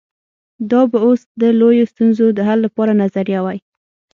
دا به اوس د لویو ستونزو د حل لپاره نظریه وای.